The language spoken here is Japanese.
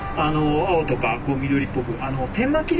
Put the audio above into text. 青とか緑っぽく。